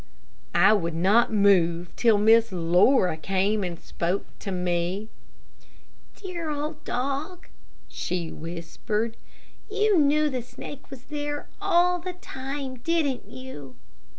I would not move till Miss Laura came and spoke to me. "Dear old dog," she whispered, "You knew the snake was there all the time, didn't you?"